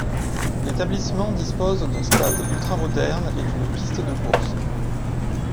L'établissement dispose d'un stade ultramoderne et d'une piste de course.